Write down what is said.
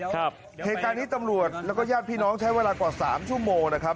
เหตุการณ์นี้ตำรวจแล้วก็ญาติพี่น้องใช้เวลากว่าสามชั่วโมงนะครับ